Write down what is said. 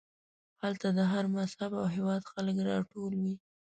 هلته د هر مذهب او هېواد خلک راټول وي.